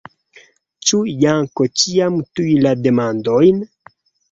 Ĉu Janko ĉiam tuj la demandojn?